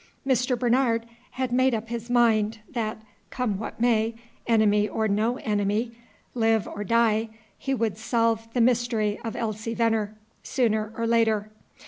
Mr. Bernard had made up his mind, that, come what might, enemy or no enemy, live or die, he would solve the mystery of Elsie Venner, sooner or later.